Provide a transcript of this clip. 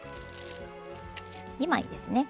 ２枚ですね。